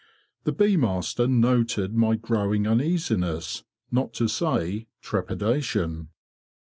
The bee master noted my growing uneasiness, not to say trepidation.